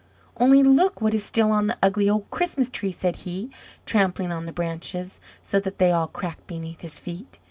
"Only look what is still on the ugly old Christmas tree!" said he, trampling on the branches, so that they all cracked beneath his feet.